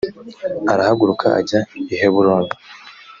arahaguruka ajya i heburoni